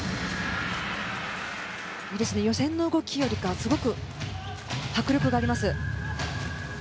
予選の動きよりかすごく迫力があります。